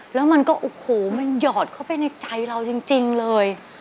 แล้วมันก็โอ้โหมันหยอดเข้าไปในใจเราจริงเลย